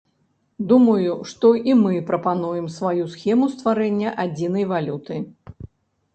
Думаю, што і мы прапануем сваю схему стварэння адзінай валюты.